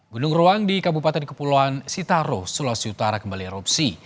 gunung ruang di kabupaten kepulauan sitaro sulawesi utara kembali erupsi